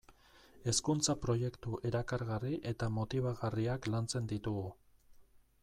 Hezkuntza-proiektu erakargarri eta motibagarriak lantzen ditugu.